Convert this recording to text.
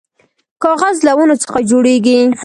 کاغذ له ونو څخه جوړیږي